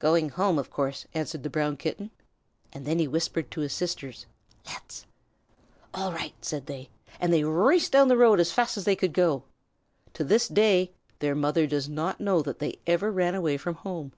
"Going home, of course," answered the Brown Kitten. And then he whispered to his sisters, "Let's!" "All right," said they, and they raced down the road as fast as they could go. To this day their mother does not know that they ever ran away from home.